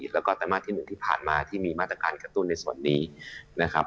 แล้วก็ไตรมาสที่๑ที่ผ่านมาที่มีมาตรการกระตุ้นในส่วนนี้นะครับ